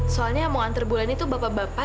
soalnya mau ngantar bulan ini tuh bapak bapak